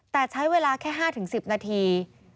แต่ใช้เวลาแค่๕๑๐นาที